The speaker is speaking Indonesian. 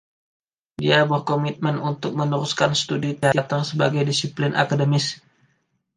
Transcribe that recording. Dia berkomitmen untuk meneruskan studi teater sebagai disiplin akademis.